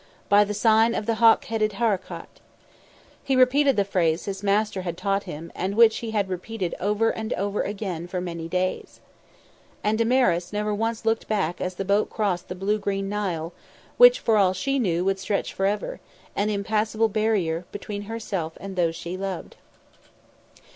"By the sign of the Hawk headed Harakat." He repeated the phrase his master had taught him, and which he had repeated over and over again for many days. And Damaris never once looked back as the boat crossed the blue green Nile, which, for all she knew, would stretch forever, an impassable barrier, between herself and those she loved.